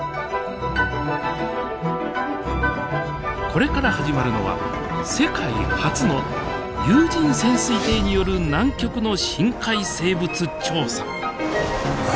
これから始まるのは世界初の有人潜水艇による南極の深海生物調査。